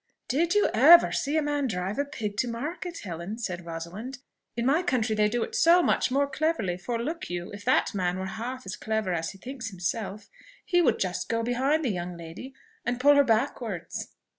"Did you ever see a man drive a pig to market, Helen?" said Rosalind. "In my country they do it so much more cleverly! for look you, if that man were half as clever as he thinks himself, he would just go behind the young lady and pull her backwards."